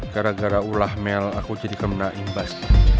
gara gara ulah mel aku jadi kena imbas